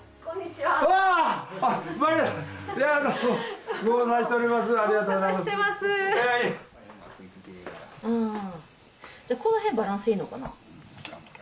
じゃこの辺バランスいいのかな？